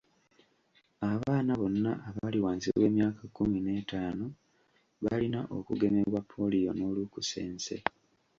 Abaana bonna abali wansi w'emyaka kkumi n'etaano balina okugemebwa ppoliyo n'olukusense.